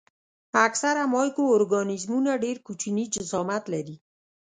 اکثره مایکرو ارګانیزمونه ډېر کوچني جسامت لري.